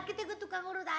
kita ke tukang urut aja babe